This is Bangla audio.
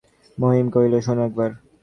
মহিম কহিল, শোনো একবার!